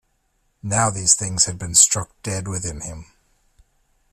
Now these things had been struck dead within him.